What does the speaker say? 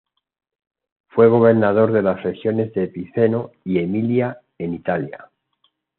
Fue gobernador de las regiones de Piceno y Emilia, en Italia.